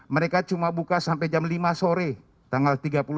mereka cuma buka sampai jam lima sore tanggal tiga puluh